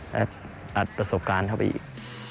และอัดประสบการณ์เข้าไปอีก